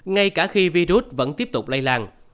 ngay cả khi virus vẫn tiếp tục lây lan